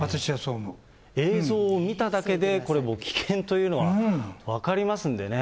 映像を見ただけで、これもう危険というのは分かりますんでね。